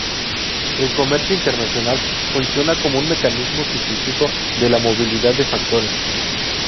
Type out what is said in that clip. El comercio internacional funciona como un mecanismo sustituto de la movilidad de factores.